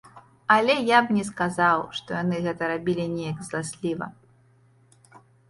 Але я б не сказаў, што яны гэта рабілі неяк зласліва.